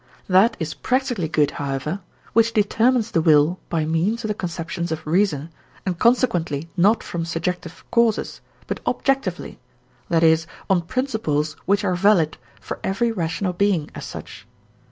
That is practically good, however, which determines the will by means of the conceptions of reason, and consequently not from subjective causes, but objectively, that is on principles which are valid for every rational being as such.